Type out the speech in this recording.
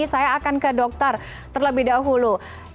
saya akan ke dokter terlebih dahulu